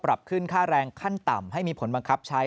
ปรับขึ้นค่าแรงขั้นต่ำให้มีผลบังคับใช้